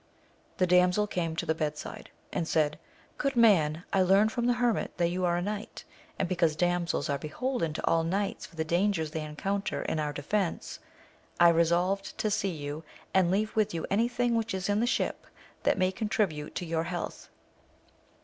The damsel came to the bedside, and said, Good man, I learn from the hermit that you are a knight, and because damsels are beholden to all knights for the dangers they encounter in our defence, I resolved to see you, and leave with you anything which is in the ship that may contribute to your health.